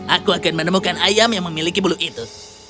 aku akan menemukan ayam yang memiliki bulu itu